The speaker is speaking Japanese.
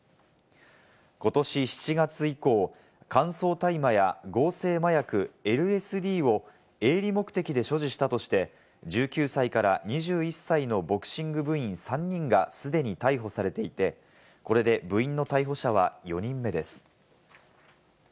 ことし７月以降、乾燥大麻や合成麻薬ＬＳＤを営利目的で所持したとして、１９歳から２１歳のボクシング部員３人が既に逮捕されていて、これで部員の逮捕者は４人目です。